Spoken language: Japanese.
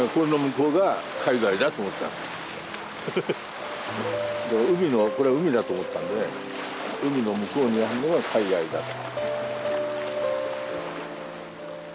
これは海だと思ってたんで海の向こうにあるのが海外だと。